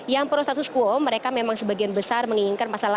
yang pro status quo mereka memang sebagian besar menginginkan masalah